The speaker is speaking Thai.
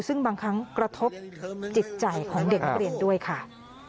ซึ่งบางครั้งกระทบจิตใจของเด็กนักเรียนด้วยค่ะ